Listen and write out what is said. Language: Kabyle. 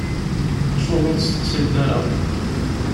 Acuɣer ur d-testeqsayeḍ ara?